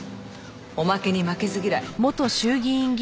おまけに負けず嫌い。